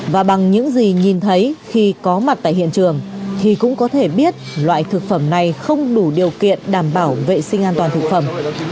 và bằng những gì nhìn thấy khi có mặt tại hiện trường thì cũng có thể biết loại thực phẩm này không đủ điều kiện đảm bảo vệ sinh an toàn thực phẩm